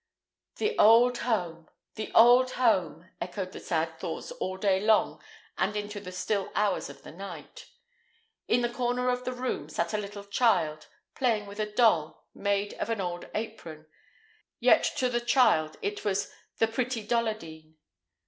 "The old home! the old home!" echoed the sad thoughts all day long and into the still hours of the night. In the corner of the room sat a little child, playing with a doll, made of an old apron; yet, to the child it was "the pretty Dolladine."